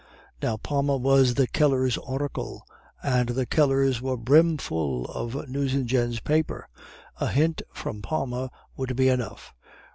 "Now Palma was the Keller's oracle, and the Kellers were brimful of Nucingen's paper. A hint from Palma would be enough.